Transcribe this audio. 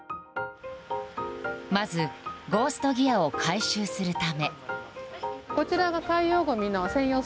まず、ゴースト・ギアを回収するため。